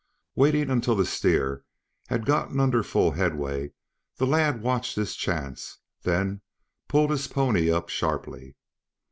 Waiting until the steer had gotten under full headway, the lad watched his chance, then pulled his pony up sharply.